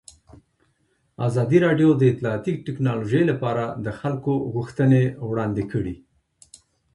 ازادي راډیو د اطلاعاتی تکنالوژي لپاره د خلکو غوښتنې وړاندې کړي.